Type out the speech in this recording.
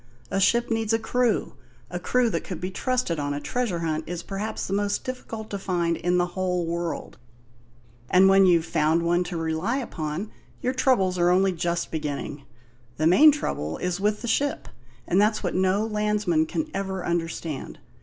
A ship needs a crew; a crew that could be trusted on a treasure hunt is perhaps the most difficult to find in the whole world; and when you've found one to rely upon, your troubles are only just beginning. The main trouble is with the ship, and that's what no landsman can ever understand.